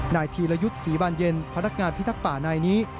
ธีรยุทธ์ศรีบานเย็นพนักงานพิทักษ์ป่านายนี้